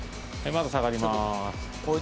まだ下がります。